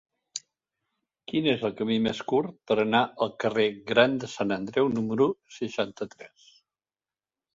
Quin és el camí més curt per anar al carrer Gran de Sant Andreu número seixanta-tres?